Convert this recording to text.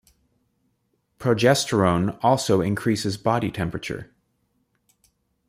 Progesterone also increases body temperature.